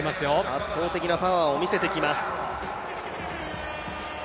圧倒的なパワーを見せていきます。